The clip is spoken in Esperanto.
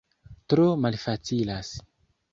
Tro malfacilas